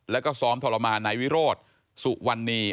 แล้วก็ซ้อมทรมานนายวิโรธสุวรรณี